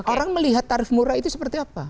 orang melihat tarif murah itu seperti apa